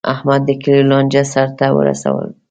احمد د کلیوالو لانجه سرته ور وستله.